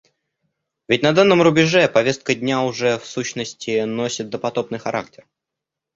Ведь на данном рубеже повестка дня уже, в сущности, носит допотопный характер.